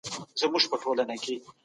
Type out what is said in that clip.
ډاکټران د خلکو د روغتیا لپاره ډېر مهم دي.